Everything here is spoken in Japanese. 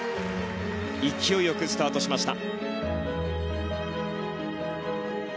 勢いよくスタートしました。